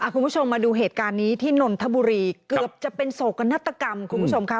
คุณผู้ชมมาดูเหตุการณ์นี้ที่นนทบุรีเกือบจะเป็นโศกนาฏกรรมคุณผู้ชมค่ะ